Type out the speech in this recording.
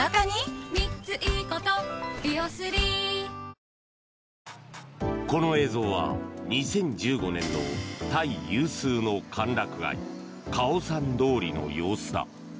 かくもんいくもんこの映像は、２０１５年のタイ有数の歓楽街カオサン通りの様子だ。